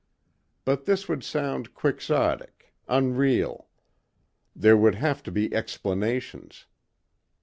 But this would sound quixotic, unreal. There would have to be explanations.